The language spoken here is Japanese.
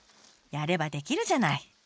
やればできるじゃない！